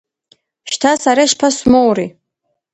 Шьҭа сара ишԥасмоури…